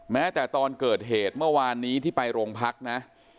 แม้แต่ตอนเกิดเหตุเมื่อวานนี้ที่ไปโรงพักนะ